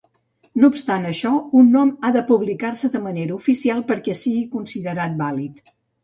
No obstant això un nom ha de publicar-se de manera oficial perquè sigui considerat vàlid.